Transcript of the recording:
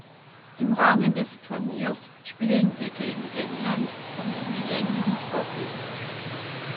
Im Rahmen des Turniers spielen sie gegen England um die Millennium Trophy.